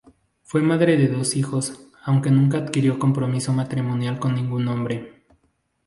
Fue madre de dos hijos, aunque nunca adquirió compromiso matrimonial con ningún hombre.